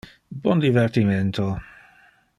Bon divertimento.